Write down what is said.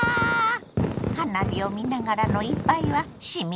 花火を見ながらの一杯はしみるわね！